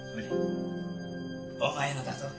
お前のだぞ。